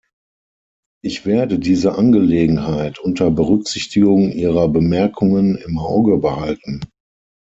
Ich werde diese Angelegenheit unter Berücksichtigung Ihrer Bemerkungen im Auge behalten.